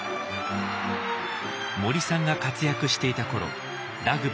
森さんが活躍していた頃ラグビーは大人気。